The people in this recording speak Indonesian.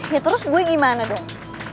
ya terus gue gimana dong